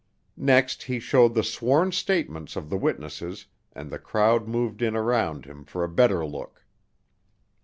Next he showed the sworn statements of the witnesses and the crowd moved in around him for a better look.